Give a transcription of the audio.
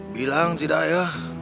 bilang tidak ya